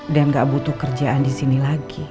dan gak butuh kerjaan disini lagi